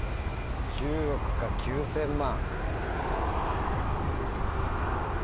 ９億か９０００万。